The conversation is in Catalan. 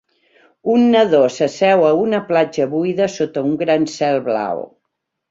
Un nadó s'asseu a una platja buida sota un gran cel blau.